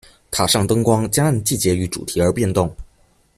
塔上灯光将按季节与主题而变动。